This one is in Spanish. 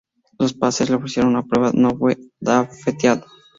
Los Pacers le ofrecieron una prueba, no fue drafteado.